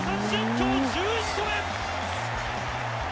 今日１１個目。